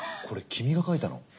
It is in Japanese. これ君が描いたの？